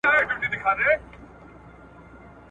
زاهده نن دي وار دی د مستیو، د رقصونو !.